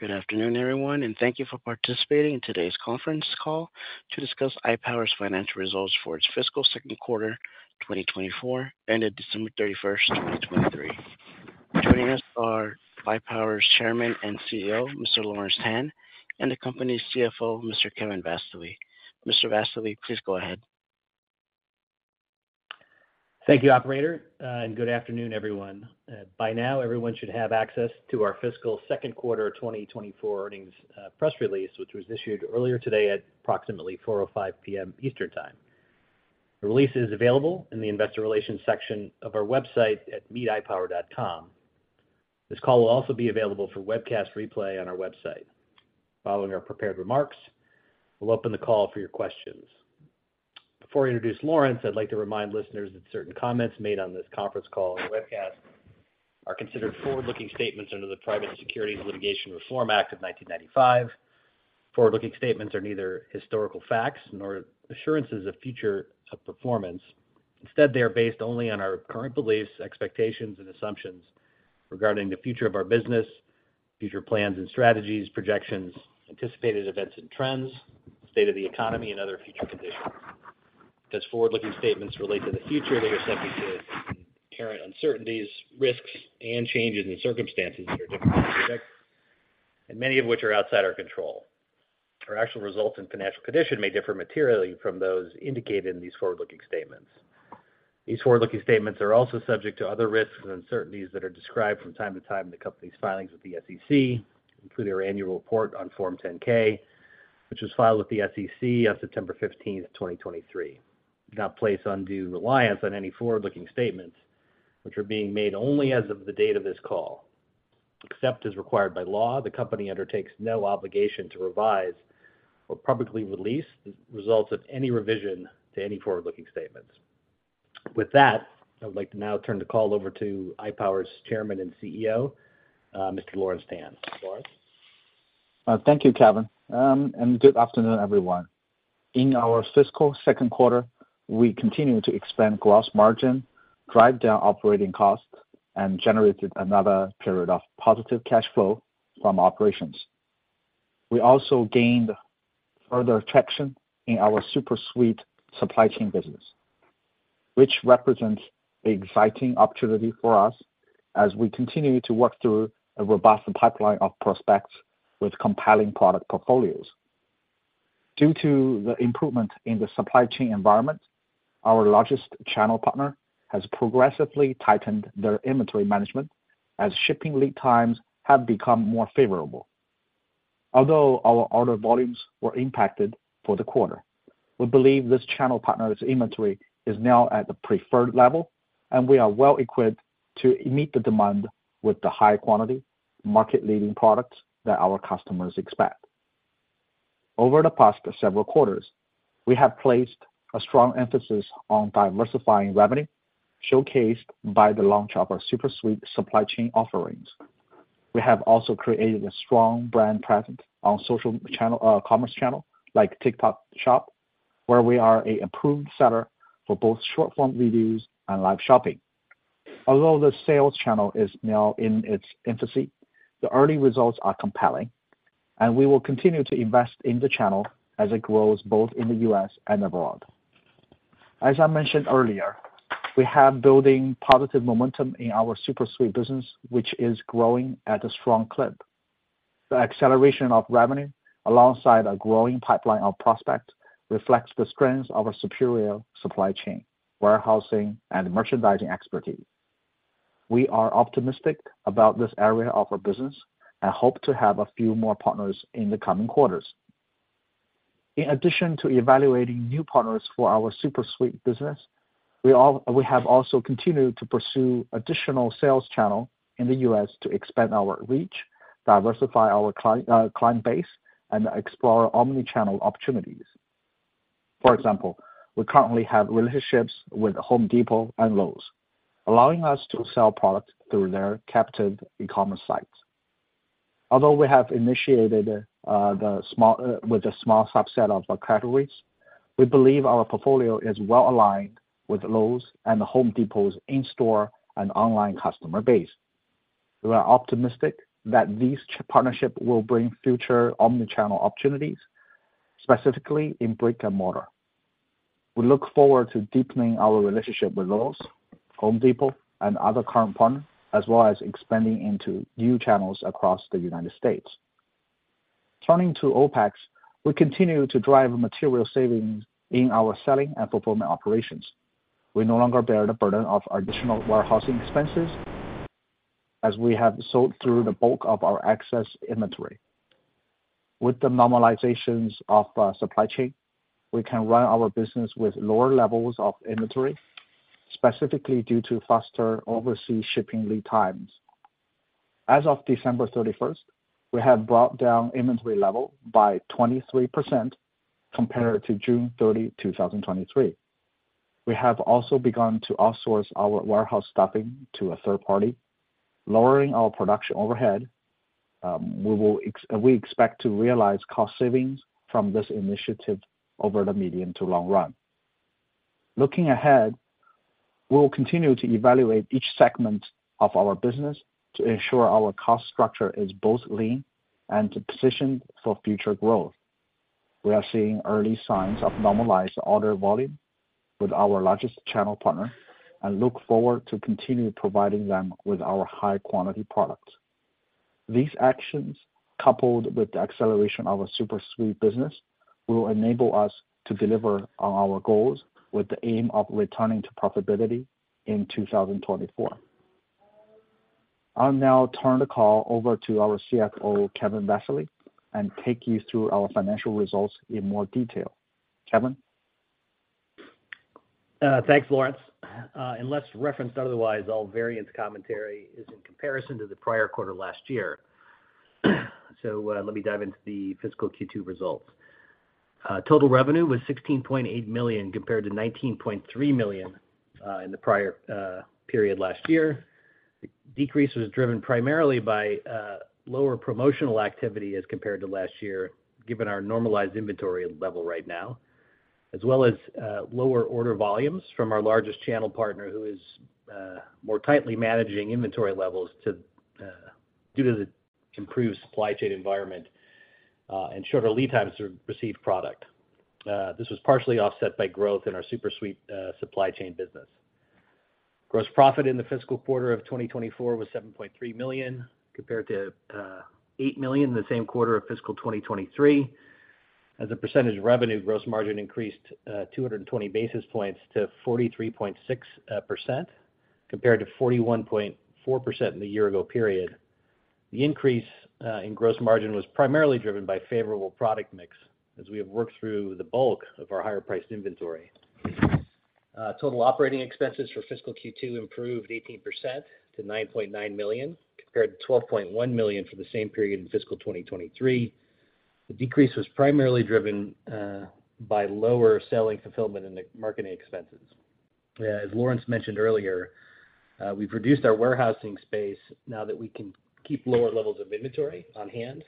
Good afternoon, everyone, and thank you for participating in today's conference call to discuss iPower's financial results for its fiscal second quarter, 2024, ended December 31, 2023. Joining us are iPower's Chairman and CEO, Mr. Lawrence Tan, and the company's CFO, Mr. Kevin Vassily. Mr. Vassily, please go ahead. Thank you, operator, and good afternoon, everyone. By now, everyone should have access to our fiscal second quarter 2024 earnings press release, which was issued earlier today at approximately 4:05 P.M. Eastern Time. The release is available in the investor relations section of our website at ipower.com. This call will also be available for webcast replay on our website. Following our prepared remarks, we'll open the call for your questions. Before I introduce Lawrence, I'd like to remind listeners that certain comments made on this conference call and webcast are considered forward-looking statements under the Private Securities Litigation Reform Act of 1995. Forward-looking statements are neither historical facts nor assurances of future performance. Instead, they are based only on our current beliefs, expectations, and assumptions regarding the future of our business, future plans and strategies, projections, anticipated events and trends, state of the economy, and other future conditions. As forward-looking statements relate to the future, they are subject to inherent uncertainties, risks, and changes in circumstances that are difficult to predict, and many of which are outside our control. Our actual results and financial condition may differ materially from those indicated in these forward-looking statements. These forward-looking statements are also subject to other risks and uncertainties that are described from time to time in the company's filings with the SEC, including our annual report on Form 10-K, which was filed with the SEC on September 15, 2023. Do not place undue reliance on any forward-looking statements, which are being made only as of the date of this call. Except as required by law, the company undertakes no obligation to revise or publicly release the results of any revision to any forward-looking statements. With that, I would like to now turn the call over to iPower's Chairman and CEO, Mr. Lawrence Tan. Lawrence? Thank you, Kevin, and good afternoon, everyone. In our fiscal second quarter, we continued to expand gross margin, drive down operating costs, and generated another period of positive cash flow from operations. We also gained further traction in our SuperSuite supply chain business, which represents an exciting opportunity for us as we continue to work through a robust pipeline of prospects with compelling product portfolios. Due to the improvement in the supply chain environment, our largest channel partner has progressively tightened their inventory management as shipping lead times have become more favorable. Although our order volumes were impacted for the quarter, we believe this channel partner's inventory is now at the preferred level, and we are well-equipped to meet the demand with the high quality, market-leading products that our customers expect. Over the past several quarters, we have placed a strong emphasis on diversifying revenue, showcased by the launch of our SuperSuite supply chain offerings. We have also created a strong brand presence on social channel, commerce channel, like TikTok Shop, where we are an approved seller for both short-form videos and live shopping. Although the sales channel is now in its infancy, the early results are compelling, and we will continue to invest in the channel as it grows, both in the U.S. and abroad. As I mentioned earlier, we have building positive momentum in our SuperSuite business, which is growing at a strong clip. The acceleration of revenue, alongside a growing pipeline of prospects, reflects the strengths of our superior supply chain, warehousing, and merchandising expertise. We are optimistic about this area of our business and hope to have a few more partners in the coming quarters. In addition to evaluating new partners for our SuperSuite business, we have also continued to pursue additional sales channel in the U.S. to expand our reach, diversify our client base, and explore omni-channel opportunities. For example, we currently have relationships with Home Depot and Lowe's, allowing us to sell products through their captive e-commerce sites. Although we have initiated with a small subset of our categories, we believe our portfolio is well aligned with Lowe's and Home Depot's in-store and online customer base. We are optimistic that this partnership will bring future omni-channel opportunities, specifically in brick and mortar. We look forward to deepening our relationship with Lowe's, Home Depot, and other current partners, as well as expanding into new channels across the United States. Turning to OpEx, we continue to drive material savings in our selling and fulfillment operations. We no longer bear the burden of additional warehousing expenses, as we have sold through the bulk of our excess inventory. With the normalizations of supply chain, we can run our business with lower levels of inventory, specifically due to faster overseas shipping lead times. As of December 31st, we have brought down inventory level by 23% compared to June 30, 2023. We have also begun to outsource our warehouse staffing to a third party, lowering our production overhead. We expect to realize cost savings from this initiative over the medium to long run. Looking ahead, we will continue to evaluate each segment of our business to ensure our cost structure is both lean and to position for future growth. We are seeing early signs of normalized order volume with our largest channel partner and look forward to continue providing them with our high-quality products. These actions, coupled with the acceleration of a SuperSuite business, will enable us to deliver on our goals with the aim of returning to profitability in 2024. I'll now turn the call over to our CFO, Kevin Vassily, and take you through our financial results in more detail. Kevin? Thanks, Lawrence. Unless referenced otherwise, all variance commentary is in comparison to the prior quarter last year. So, let me dive into the fiscal Q2 results. Total revenue was $16.8 million, compared to $19.3 million in the prior period last year. The decrease was driven primarily by lower promotional activity as compared to last year, given our normalized inventory level right now, as well as lower order volumes from our largest channel partner, who is more tightly managing inventory levels due to the improved supply chain environment and shorter lead times to receive product. This was partially offset by growth in our SuperSuite supply chain business. Gross profit in the fiscal quarter of 2024 was $7.3 million, compared to $8 million in the same quarter of fiscal 2023. As a percentage of revenue, gross margin increased 220 basis points to 43.6%, compared to 41.4% in the year ago period. The increase in gross margin was primarily driven by favorable product mix as we have worked through the bulk of our higher-priced inventory. Total operating expenses for fiscal Q2 improved 18% to $9.9 million, compared to $12.1 million for the same period in fiscal 2023. The decrease was primarily driven by lower selling fulfillment in the marketing expenses. As Lawrence mentioned earlier, we've reduced our warehousing space now that we can keep lower levels of inventory on hand,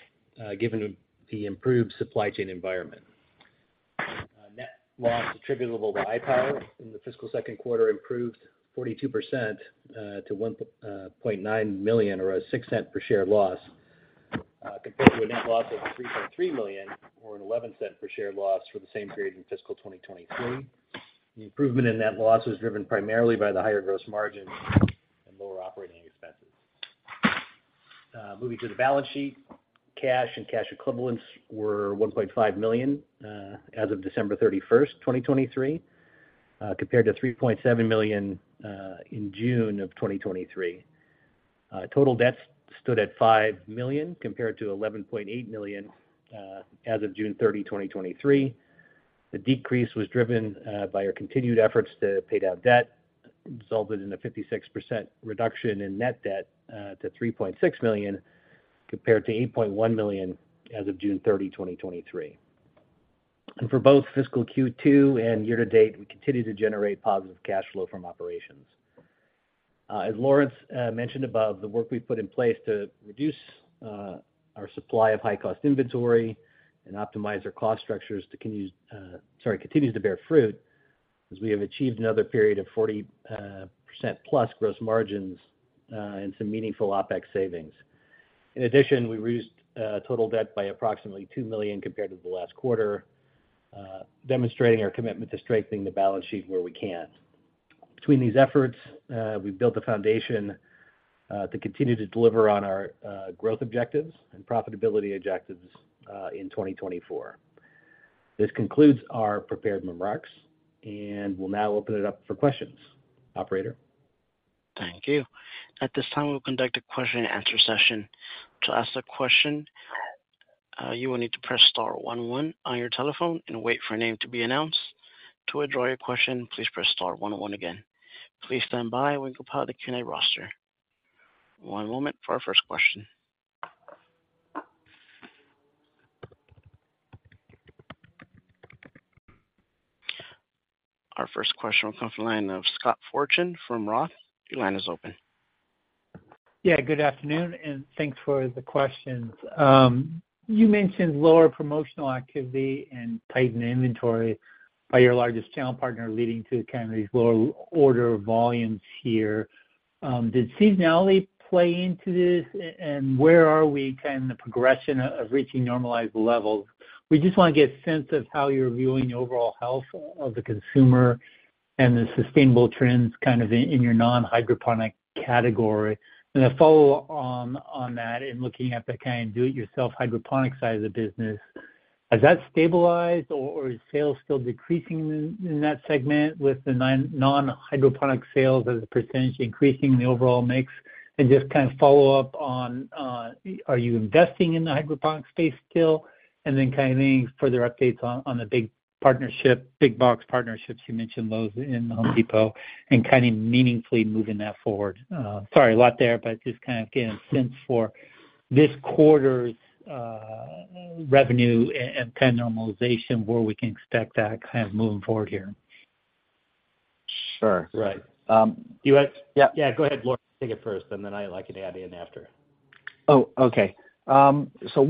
given the improved supply chain environment. Net loss attributable to iPower in the fiscal second quarter improved 42% to $1.9 million or a $0.06 per share loss, compared to a net loss of $3.3 million or a $0.11 per share loss for the same period in fiscal 2023. The improvement in net loss was driven primarily by the higher gross margin and lower operating expenses. Moving to the balance sheet, cash and cash equivalents were $1.5 million as of December 31st, 2023, compared to $3.7 million in June 2023. Total debts stood at $5 million, compared to $11.8 million, as of June 30, 2023. The decrease was driven by our continued efforts to pay down debt, resulted in a 56% reduction in net debt to $3.6 million, compared to $8.1 million as of June 30, 2023. For both fiscal Q2 and year to date, we continue to generate positive cash flow from operations. As Lawrence mentioned above, the work we've put in place to reduce our supply of high-cost inventory and optimize our cost structures continues, sorry, continues to bear fruit as we have achieved another period of 40%+ gross margins, and some meaningful OpEx savings. In addition, we reduced total debt by approximately $2 million compared to the last quarter, demonstrating our commitment to strengthening the balance sheet where we can. Between these efforts, we've built a foundation to continue to deliver on our growth objectives and profitability objectives in 2024. This concludes our prepared remarks, and we'll now open it up for questions. Operator? Thank you. At this time, we'll conduct a question-and-answer session. To ask a question, you will need to press star one one on your telephone and wait for a name to be announced. To withdraw your question, please press star one one again. Please stand by while we compile the Q&A roster. One moment for our first question. Our first question will come from the line of Scott Fortune from Roth. Your line is open. Yeah, good afternoon, and thanks for the questions. You mentioned lower promotional activity and tightened inventory by your largest channel partner, leading to kind of these lower order volumes here. Did seasonality play into this? And where are we in the progression of reaching normalized levels? We just want to get a sense of how you're viewing the overall health of the consumer and the sustainable trends kind of in your non-hydroponic category. And a follow-up on that, in looking at the kind of do-it-yourself hydroponic side of the business, has that stabilized, or is sales still decreasing in that segment with the non-hydroponic sales as a percentage increasing the overall mix? And just kind of follow up on, are you investing in the hydroponic space still? And then kind of any further updates on the big partnership, big box partnerships, you mentioned Lowe's and Home Depot, and kind of meaningfully moving that forward. Sorry, a lot there, but just kind of getting a sense for this quarter's revenue and kind of normalization, where we can expect that kind of moving forward here.... Sure. Right. You want- Yeah. Yeah, go ahead, Lawrence, take it first, and then I'd like to add in after. Oh, okay. So,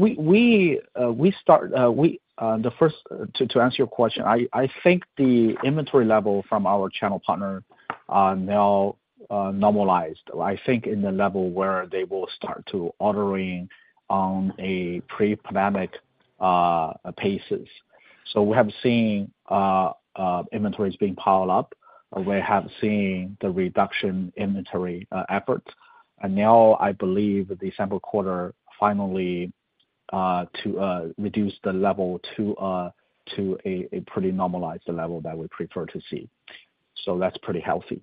to answer your question, I think the inventory level from our channel partner are now normalized, I think, in the level where they will start to ordering on a pre-pandemic paces. So we have seen inventories being piled up. We have seen the reduction inventory efforts. And now, I believe the December quarter finally to reduce the level to a pretty normalized level that we prefer to see. So that's pretty healthy.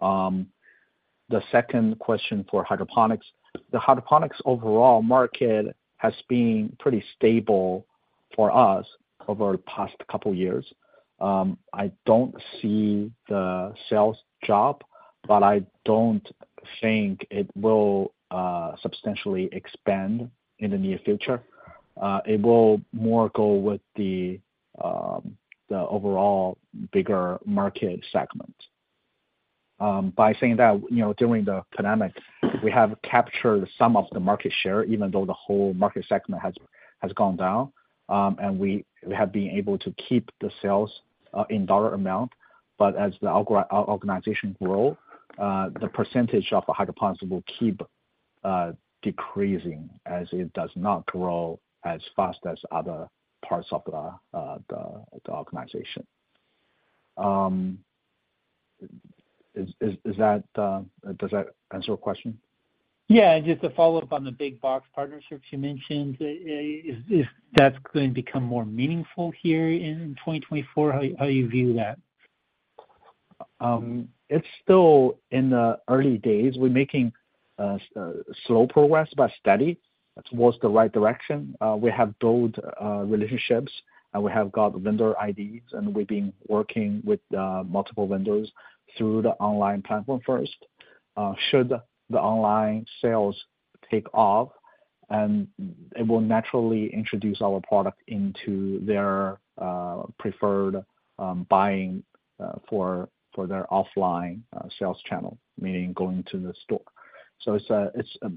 The second question for hydroponics. The hydroponics overall market has been pretty stable for us over the past couple years. I don't see the sales drop, but I don't think it will substantially expand in the near future. It will more go with the overall bigger market segment. By saying that, you know, during the pandemic, we have captured some of the market share, even though the whole market segment has gone down, and we have been able to keep the sales in dollar amount. But as the organization grow, the percentage of the hydroponics will keep decreasing as it does not grow as fast as other parts of the organization. Is that, does that answer your question? Yeah, just a follow-up on the big box partnerships you mentioned. Is that going to become more meaningful here in 2024? How you view that? It's still in the early days. We're making slow progress, but steady. It's towards the right direction. We have built relationships, and we have got vendor IDs, and we've been working with multiple vendors through the online platform first. Should the online sales take off, and it will naturally introduce our product into their preferred buying for their offline sales channel, meaning going to the store. So it's a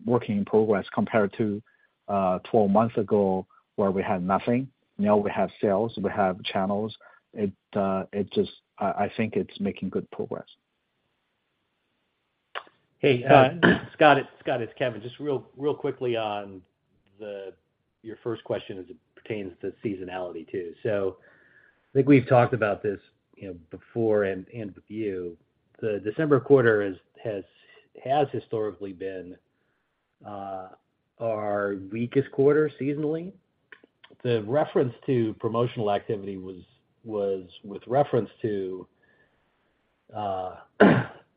working progress compared to 12 months ago, where we had nothing. Now we have sales, we have channels. It just, I think it's making good progress. Hey, Scott, it's Scott, it's Kevin. Just real, real quickly on the... Your first question as it pertains to seasonality, too. So I think we've talked about this, you know, before and with you. The December quarter has historically been our weakest quarter seasonally. The reference to promotional activity was with reference to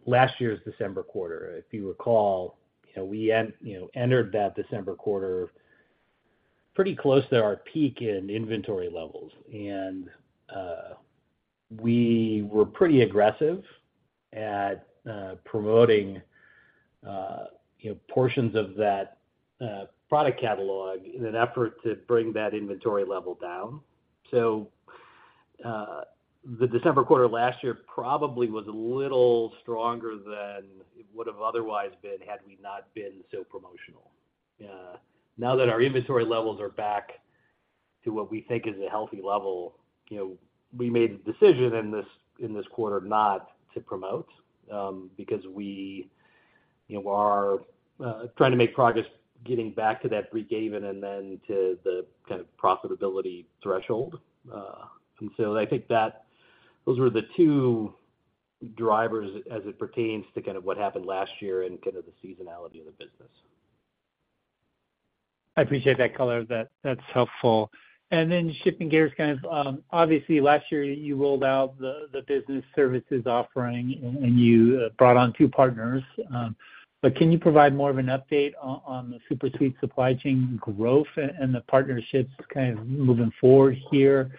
last year's December quarter. If you recall, you know, we entered that December quarter pretty close to our peak in inventory levels, and we were pretty aggressive at promoting, you know, portions of that product catalog in an effort to bring that inventory level down. So, the December quarter last year probably was a little stronger than it would have otherwise been had we not been so promotional. Now that our inventory levels are back to what we think is a healthy level, you know, we made a decision in this quarter not to promote, because we, you know, are trying to make progress getting back to that breakeven and then to the kind of profitability threshold. And so I think that those were the two drivers as it pertains to kind of what happened last year and kind of the seasonality of the business. I appreciate that color. That's helpful. And then shifting gears, kind of, obviously, last year, you rolled out the business services offering, and you brought on two partners. But can you provide more of an update on the SuperSuite supply chain growth and the partnerships kind of moving forward here?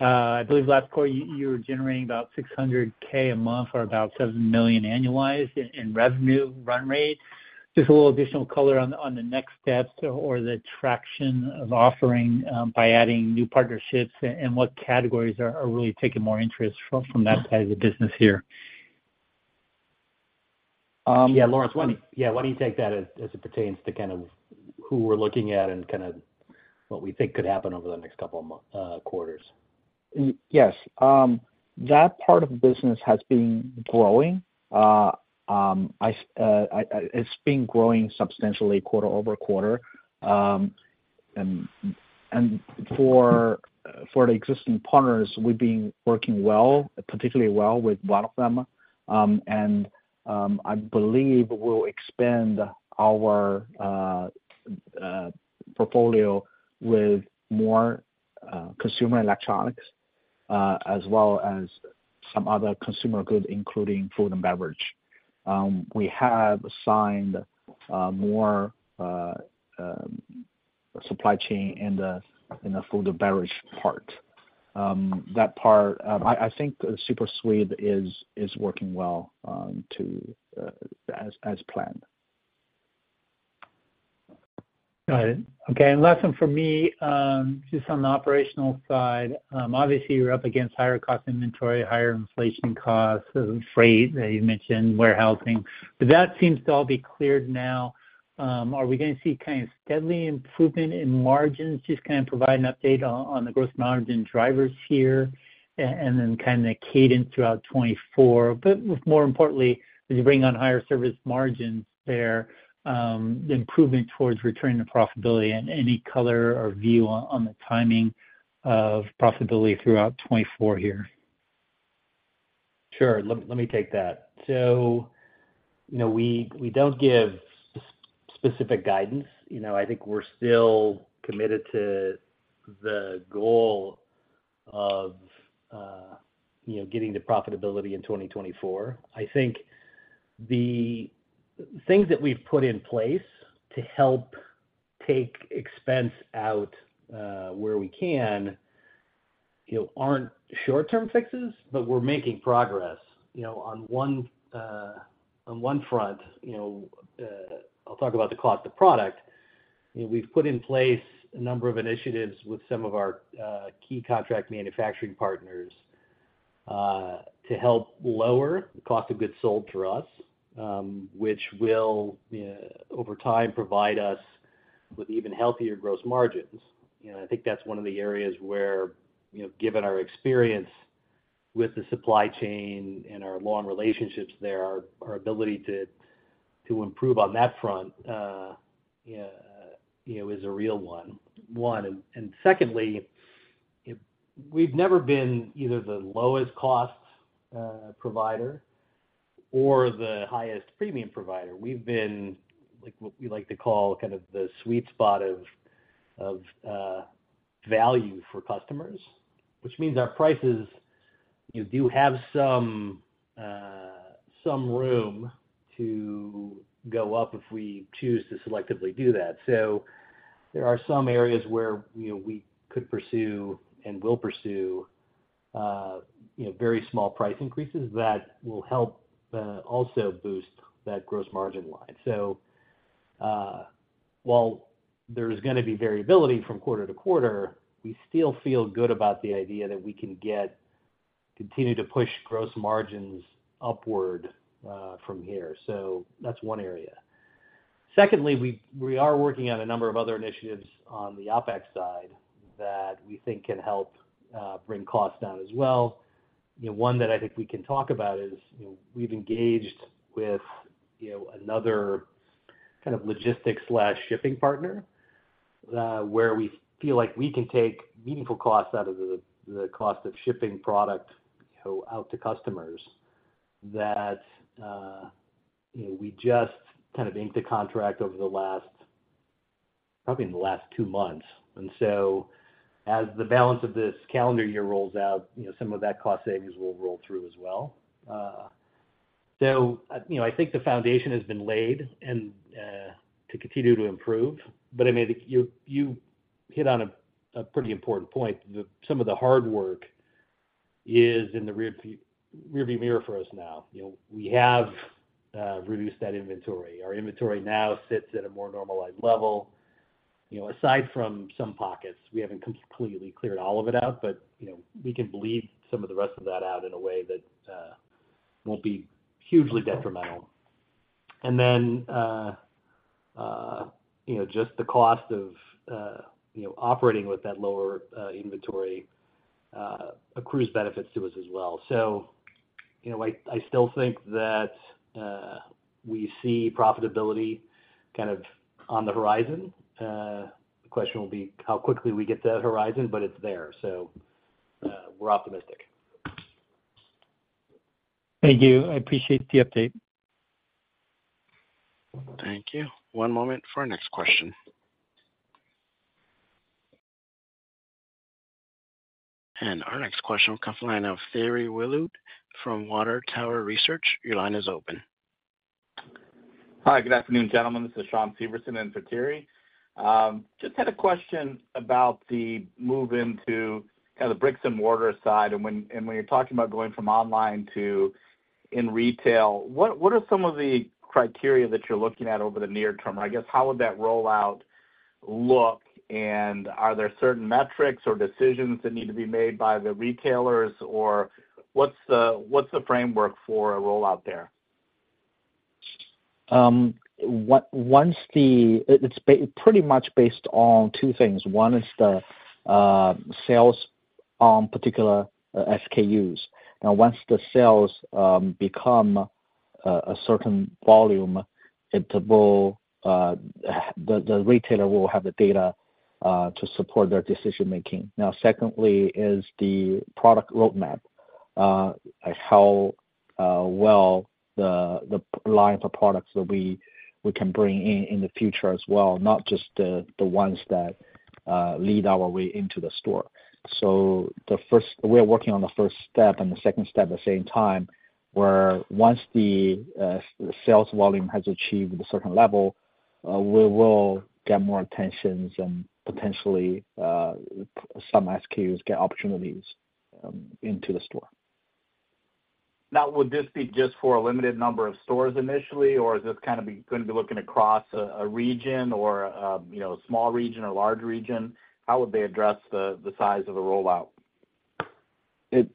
I believe last quarter, you were generating about $600,000 a month or about $7 million annualized revenue run rate. Just a little additional color on the next steps or the traction of offering by adding new partnerships and what categories are really taking more interest from that side of the business here. Um- Yeah, Lawrence, why don't, yeah, why don't you take that as it pertains to kind of who we're looking at and kind of what we think could happen over the next couple of months, quarters? Yes, that part of the business has been growing. It's been growing substantially quarter-over-quarter. For the existing partners, we've been working well, particularly well with one of them. I believe we'll expand our portfolio with more consumer electronics as well as some other consumer goods, including food and beverage. We have signed more supply chain in the food and beverage part. That part, I think SuperSuite is working well as planned.... Got it. Okay, and last one for me, just on the operational side. Obviously, you're up against higher cost inventory, higher inflation costs, and freight, you mentioned warehousing, but that seems to all be cleared now. Are we gonna see kind of steady improvement in margins? Just kind of provide an update on the gross margin drivers here, and then kind of the cadence throughout 2024. But more importantly, as you bring on higher service margins there, improving towards returning to profitability and any color or view on the timing of profitability throughout 2024 here. Sure. Let me take that. So, you know, we don't give specific guidance. You know, I think we're still committed to the goal of, you know, getting to profitability in 2024. I think the things that we've put in place to help take expense out, where we can, you know, aren't short-term fixes, but we're making progress. You know, on one front, you know, I'll talk about the cost of product. You know, we've put in place a number of initiatives with some of our key contract manufacturing partners to help lower the cost of goods sold for us, which will, over time, provide us with even healthier gross margins. You know, I think that's one of the areas where, you know, given our experience with the supply chain and our long relationships there, our ability to improve on that front, you know, is a real one. And secondly, we've never been either the lowest cost provider or the highest premium provider. We've been, like, what we like to call kind of the sweet spot of value for customers, which means our prices, you do have some room to go up if we choose to selectively do that. So there are some areas where, you know, we could pursue and will pursue, you know, very small price increases that will help also boost that gross margin line. While there's gonna be variability from quarter to quarter, we still feel good about the idea that we can continue to push gross margins upward from here. That's one area. Secondly, we are working on a number of other initiatives on the OpEx side that we think can help bring costs down as well. You know, one that I think we can talk about is, you know, we've engaged with, you know, another kind of logistics/shipping partner where we feel like we can take meaningful costs out of the cost of shipping product, you know, out to customers, that you know we just kind of inked a contract over the last, probably in the last two months. And so as the balance of this calendar year rolls out, you know, some of that cost savings will roll through as well. So, you know, I think the foundation has been laid and to continue to improve. But, I mean, you hit on a pretty important point. Some of the hard work is in the rear view mirror for us now. You know, we have reduced that inventory. Our inventory now sits at a more normalized level. You know, aside from some pockets, we haven't completely cleared all of it out, but, you know, we can bleed some of the rest of that out in a way that won't be hugely detrimental. And then, you know, just the cost of, you know, operating with that lower inventory accrues benefits to us as well. So, you know, I still think that we see profitability kind of on the horizon. The question will be how quickly we get to that horizon, but it's there, so we're optimistic. Thank you. I appreciate the update. Thank you. One moment for our next question. Our next question will come from the line of Thierry Wuilloud from Water Tower Research. Your line is open. Hi, good afternoon, gentlemen. This is Shawn Severson in for Thierry. Just had a question about the move into kind of the bricks and mortar side. And when you're talking about going from online to in retail, what are some of the criteria that you're looking at over the near term? I guess, how would that rollout look? And are there certain metrics or decisions that need to be made by the retailers, or what's the framework for a rollout there? Once it's pretty much based on two things. One is the sales on particular SKUs. Now, once the sales become a certain volume, it will, the retailer will have the data to support their decision making. Now, secondly, is the product roadmap, how well the line of products that we can bring in in the future as well, not just the ones that lead our way into the store. So the first... We're working on the first step and the second step at the same time, where once the sales volume has achieved a certain level, we will get more attentions and potentially some SKUs get opportunities into the store. Now, would this be just for a limited number of stores initially, or is this kinda gonna be looking across a region or, you know, a small region or large region? How would they address the size of the rollout? It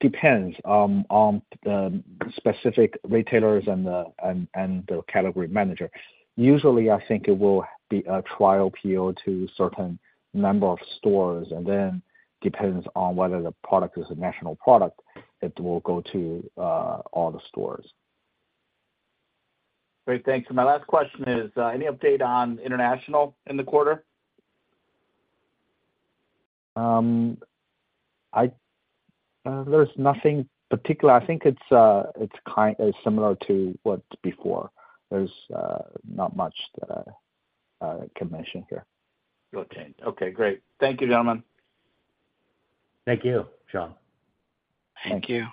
depends on the specific retailers and the category manager. Usually, I think it will be a trial period to certain number of stores and then depends on whether the product is a national product, it will go to all the stores. Great, thanks. My last question is, any update on international in the quarter? There's nothing particular. I think it's, it's kind, it's similar to what before. There's not much can mention here. Okay. Okay, great. Thank you, gentlemen. Thank you, Shawn. Thank you.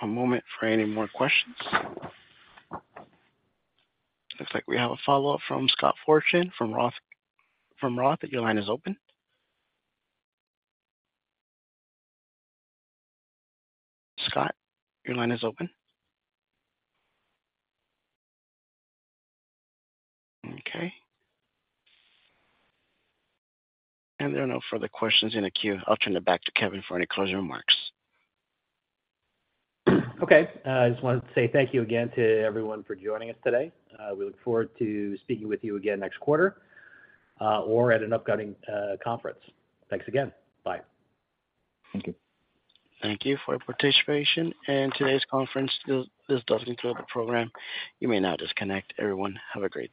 One moment for any more questions. Looks like we have a follow-up from Scott Fortune, from Roth, from Roth. Your line is open. Scott, your line is open. Okay. There are no further questions in the queue. I'll turn it back to Kevin for any closing remarks. Okay. I just wanted to say thank you again to everyone for joining us today. We look forward to speaking with you again next quarter, or at an upcoming conference. Thanks again. Bye. Thank you. Thank you for your participation in today's conference. This does conclude the program. You may now disconnect. Everyone, have a great day.